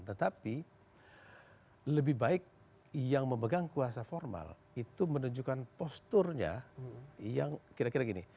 tetapi lebih baik yang memegang kuasa formal itu menunjukkan posturnya yang kira kira gini